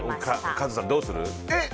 カズさん、どうする？